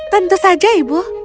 tentu saja ibu